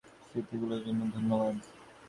স্মৃতি গুলোর জন্য ধন্যবাদ।